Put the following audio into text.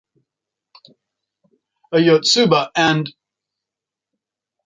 A Yotsuba and !